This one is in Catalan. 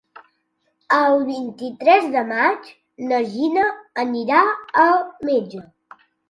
El vint-i-tres de maig na Gina anirà al metge.